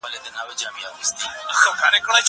زه پرون کالي وچول.